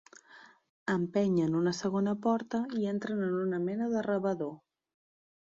Empenyen una segona porta i entren en una mena de rebedor.